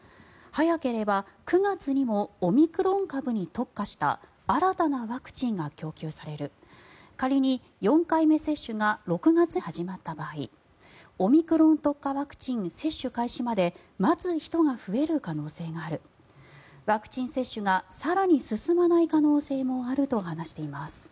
早ければ９月にもオミクロン株に特化した新たなワクチンが供給される仮に４回目接種が６月に始まった場合オミクロン特化ワクチン接種開始まで待つ人が増える可能性があるワクチン接種が更に進まない可能性もあると話しています。